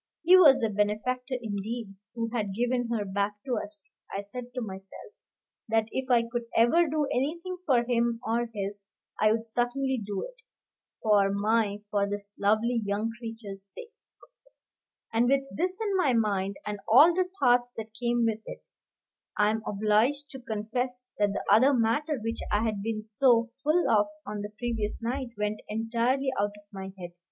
He was a benefactor, indeed, who had given her back to us. I said to myself, that if I could ever do anything for him or his, I would certainly do it, for my for this lovely young creature's sake. And with this in my mind, and all the thoughts that came with it, I am obliged to confess that the other matter, which I had been so full of on the previous night, went entirely out of my head.